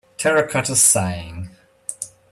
Terracotta Sighing